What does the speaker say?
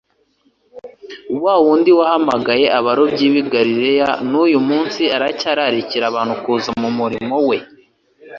Wa wundi wahamagaye abarobyi b'i Galilaya n'uyu munsi aracyararikira abantu kuza mu murimo we.